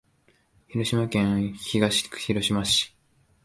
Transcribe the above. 広島県東広島市